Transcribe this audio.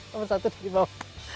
nomor satu dari bawah